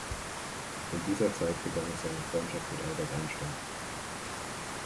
In dieser Zeit begann auch seine Freundschaft mit Albert Einstein.